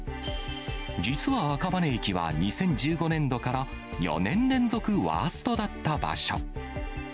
実は赤羽駅は２０１５年度から４年連続ワーストだった場所。